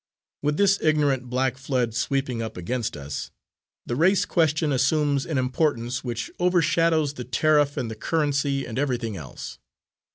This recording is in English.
With this ignorant black flood sweeping up against us, the race question assumes an importance which overshadows the tariff and the currency and everything else.